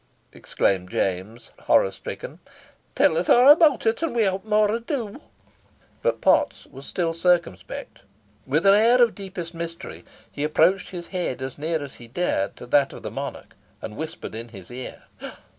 exclaimed James, horror stricken. "Tell us a' about it, and without more ado." But Potts was still circumspect. With an air of deepest mystery, he approached his head as near as he dared to that of the monarch, and whispered in his ear.